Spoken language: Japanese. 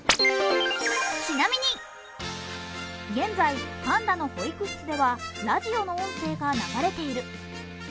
現在、パンダの保育室ではラジオの音声が流れている。